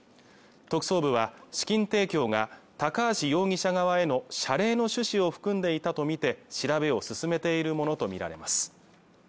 特捜部は資金提供が高橋容疑者側への謝礼の趣旨を含んでいたとみて調べを進めているものと見られます